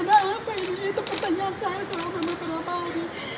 saya apa ini itu pertanyaan saya selama beberapa hari